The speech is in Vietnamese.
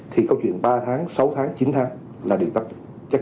thì câu chuyện ba tháng sáu tháng chín tháng là điều chắc chắn